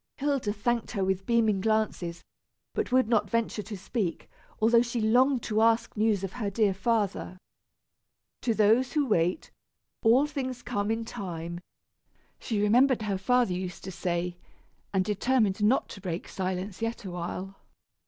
Hilda thanked her with beaming glances, but would not venture to speak, although she longed to ask news of her dear father. "To those who wait, all things come in time," she remembered her father used to say, and determined not to break silence yet a while.